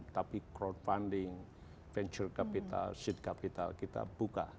tapi crowdfunding venture capital seat capital kita buka